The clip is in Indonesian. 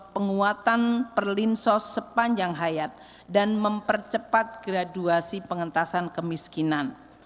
penguatan perlinsos sepanjang hayat dan mempercepat graduasi pengentasan kemiskinan